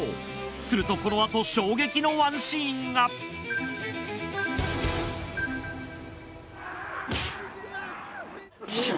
するとこのあと衝撃のＯＮＥシーンが痛っ！